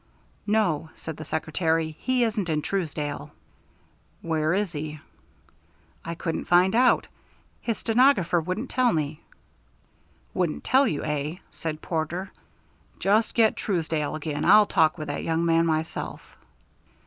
"No," said the secretary; "he isn't in Truesdale." "Where is he?" "I couldn't find out. His stenographer wouldn't tell me." "Wouldn't tell you, eh?" said Porter. "Just get Truesdale again; I'll talk with that young man myself."